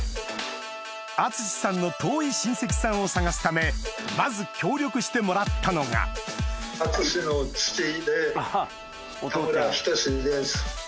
淳さんの遠い親戚さんを探すためまず協力してもらったのが淳の父で田村等です。